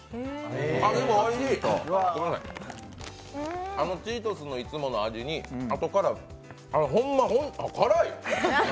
でもおいしい、チートスのいつもの味にあとから辛い！